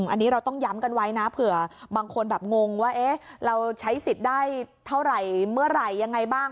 อันนี้เราต้องย้ำกันไว้นะเผื่อบางคนแบบงงว่าเราใช้สิทธิ์ได้เท่าไหร่เมื่อไหร่ยังไงบ้าง